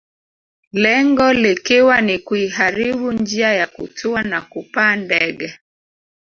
Lengo likiwa ni kuiharibu njia ya kutua na kupaa ndege